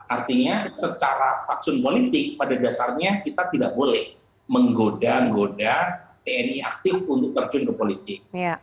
artinya secara faksun politik pada dasarnya kita tidak boleh menggoda ngoda tni aktif untuk terjun ke politik